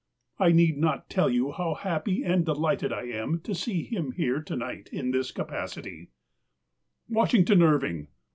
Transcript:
I need not tell you how happy and delighted I am to see him here to night in this capacit\\ Washington Irving